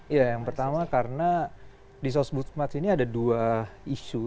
iya yang pertama karena di sosbud mas ini ada dua isu